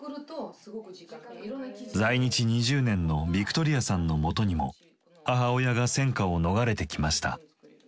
在日２０年のヴィクトリヤさんのもとにも母親が戦火を逃れてきました。